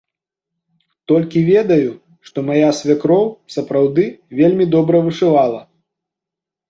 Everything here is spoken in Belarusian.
Толькі ведаю, што мая свякроў, сапраўды, вельмі добра вышывала.